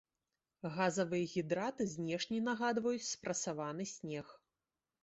Газавыя гідраты знешне нагадваюць спрасаваны снег.